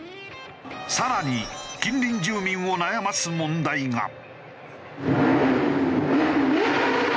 更に近隣住民を悩ます問題が。